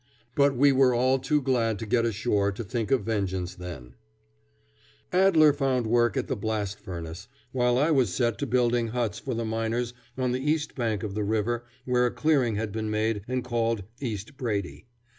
But we were all too glad to get ashore to think of vengeance then. [Illustration: Brady's Bend as I knew it] Adler found work at the blast furnace, while I was set to building huts for the miners on the east bank of the river where a clearing had been made and called East Brady.